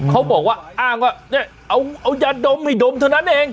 เขาบอกว่าอ้างว่าเนี่ยเอายาดมให้ดมเท่านั้นเอง